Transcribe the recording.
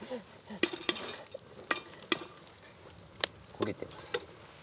焦げてます。